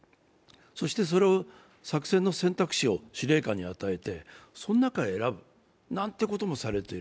そして、それを作戦の選択肢を司令官に与えてその中で選ぶなんてこともされている。